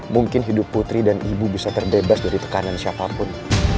mungkin hidup putri dan ibu bisa terbebas dari tekanan siapapun